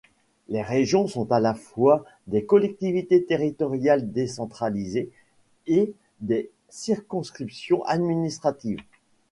Les Régions sont à la fois des Collectivités Territoriales Décentralisées et des circonscriptions administratives.